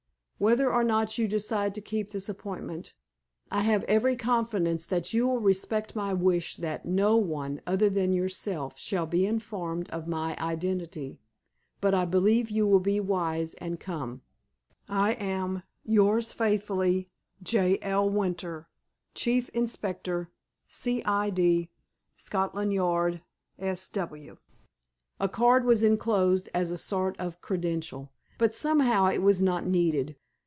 Whether or not you decide to keep this appointment, I have every confidence that you will respect my wish that_ no one_, other than yourself, shall be informed of my identity. But I believe you will be wise, and come._ I am, Yours faithfully, J. L. Winter, Chief Inspector, C. I. D., Scotland Yard, S. W. A card was inclosed, as a sort of credential. But, somehow, it was not needed.